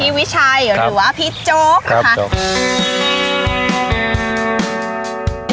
วิชัยหรือว่าพี่โจ๊กนะคะ